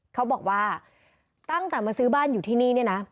เขาบอกว่าตั้งแต่มาซื้อบ้านอยู่ที่นี่เนี่ยนะ